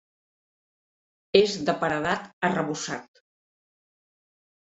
És de paredat arrebossat.